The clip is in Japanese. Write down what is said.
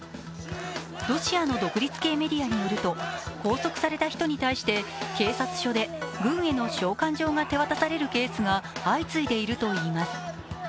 ロシアの独立系メディアによると、拘束された人に対して警察署で軍への召喚状が手渡されるケースが相次いでいるといいます。